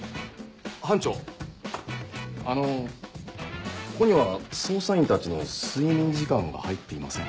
班長あのここには捜査員たちの睡眠時間が入っていません。